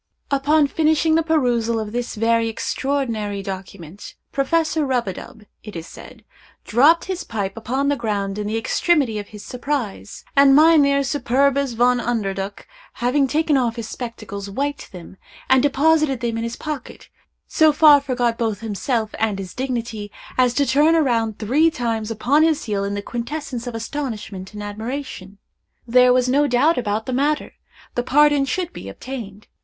Upon finishing the perusal of this very extraordinary document, Professor Rub a dub, it is said, dropped his pipe upon the ground in the extremity of his surprise, and Mynheer Superbus Von Underduk having taken off his spectacles, wiped them, and deposited them in his pocket, so far forgot both himself and his dignity, as to turn round three times upon his heel in the quintessence of astonishment and admiration. There was no doubt about the matter—the pardon should be obtained.